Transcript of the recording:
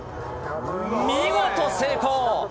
見事成功。